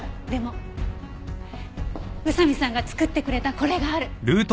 でも宇佐見さんが作ってくれたこれがある。